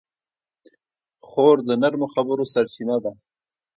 خور د نرمو خبرو سرچینه ده.